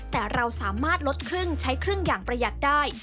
แต่เราสามารถลดครึ่งใช้ครึ่งอย่างประหยัดได้